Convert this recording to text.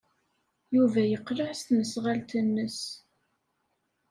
Yuba yeqleɛ s tesnasɣalt-nnes.